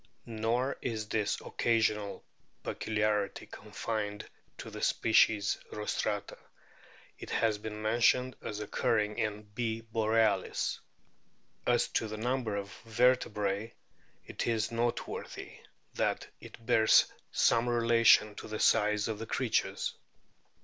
Nor is this occasional peculiarity confined to the species Rostrata. It has been mentioned as occurring in B. borcalis. As to the number of vertebrae, it is noteworthy that it bears some relation to the size of the creatures.